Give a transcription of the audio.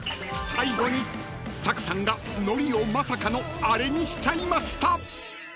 ［最後にサクさんがのりをまさかのあれにしちゃいました］